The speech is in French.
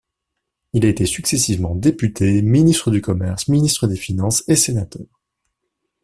Il a été successivement député, ministre du Commerce, ministre des Finances et sénateur.